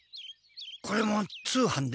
これも通販で？